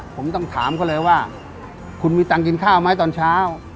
ผมต้องถามเขาเลยว่าคุณมีตังค์กินข้าวไหมตอนเช้า